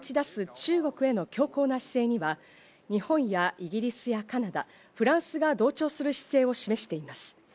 中国への強硬な姿勢には日本やイギリスやカナダ、フランスが同調する姿勢を示しています。